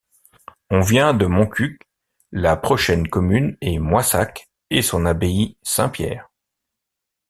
On vient de Montcuq, la prochaine commune est Moissac, et son abbaye Saint-Pierre.